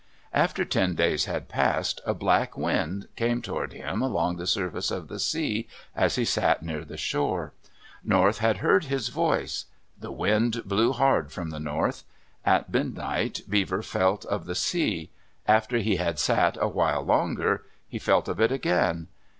After ten days had passed, a black wind came toward him along the surface of the sea, as he sat near the shore. North had heard his voice. The wind blew hard from the north. At midnight Beaver felt of the sea. After he had sat awhile longer, he felt of it again.